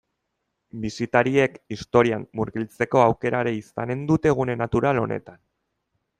Bisitariek historian murgiltzeko aukera ere izanen dute gune natural honetan.